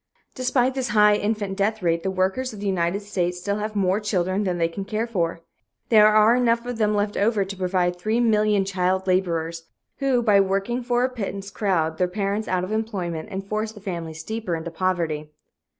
Despite this high infant death rate, the workers of the United States still have more children than they can care for. There are enough of them left over to provide 3,000,000 child laborers, who by working for a pittance crowd their parents out of employment and force the families deeper into poverty.